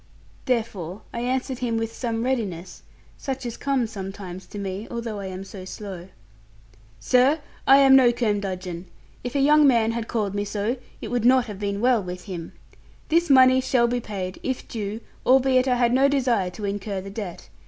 Therefore I answered him with some readiness, such as comes sometimes to me, although I am so slow. 'Sir, I am no curmudgeon: if a young man had called me so, it would not have been well with him. This money shall be paid, if due, albeit I had no desire to incur the debt.